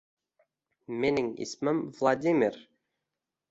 Mening ismim Vladimir.